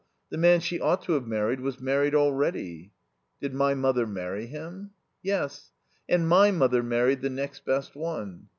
The man she ought to have married was married already." "Did my mother marry him?" "Yes. And my mother married the next best one....